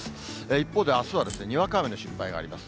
一方であすはにわか雨の心配があります。